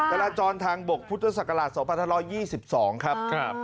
จราจรทางบกพุทธศักราช๒๕๒๒ครับ